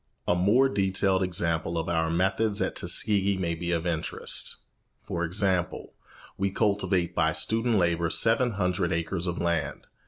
A more detailed example of our methods at Tuskegee may be of interest. For example, we cultivate by student labour seven hundred acres of land.